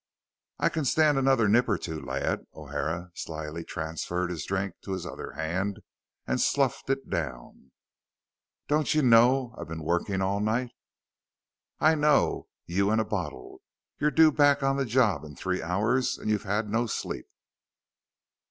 "I can stand another nip or two, lad." O'Hara slyly transferred his drink to his other hand and sloughed it down. "Don't ye know I've been working all night?" "I know. You and a bottle. You're due back on the job in three hours, and you've had no sleep."